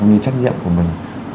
cũng như trách nhiệm của mình